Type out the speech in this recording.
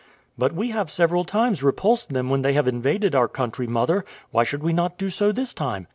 "But we have several times repulsed them when they have invaded our country, mother; why should we not do so this time?"